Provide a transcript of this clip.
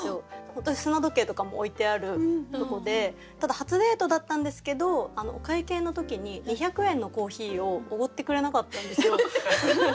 本当に砂時計とかも置いてあるとこでただ初デートだったんですけどお会計の時に２００円のコーヒーをおごってくれなかったんですよ。